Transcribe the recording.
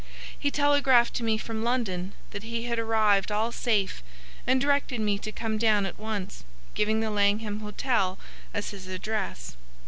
He telegraphed to me from London that he had arrived all safe, and directed me to come down at once, giving the Langham Hotel as his address.